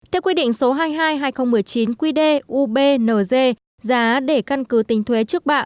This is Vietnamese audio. theo quy định số hai mươi hai hai nghìn một mươi chín quy đê ubng giá để căn cứ tính thuế trước bạ